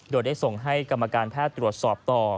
โดยได้ส่งให้กรรมการแพทย์ตรวจสอบต่อ